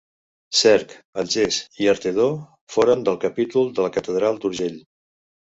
Cerc, el Ges i Artedó foren del capítol de la catedral d'Urgell.